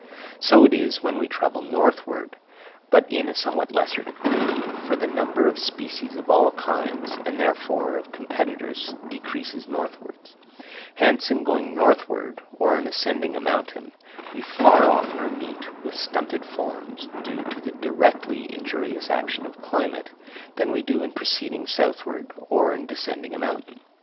So it is when we travel northward, but in a somewhat lesser degree, for the number of species of all kinds, and therefore of competitors, decreases northward; hence in going northward, or in ascending a mountain, we far oftener meet with stunted forms, due to the directly injurious action of climate, than we do in proceeding southward or in descending a mountain.